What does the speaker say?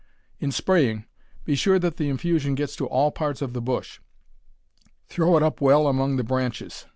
In spraying, be sure that the infusion gets to all parts of the bush. Throw it up well among the branches.